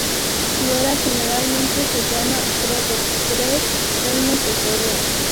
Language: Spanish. Su era generalmente se llama proto- tres reinos de Corea.